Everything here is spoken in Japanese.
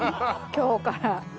今日からね。